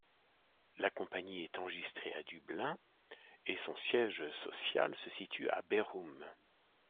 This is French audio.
La compagnie est enregistrée à Dublin et son siège social se situe à Bærum.